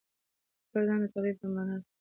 د خپل ځان د تباهي په معنا ده.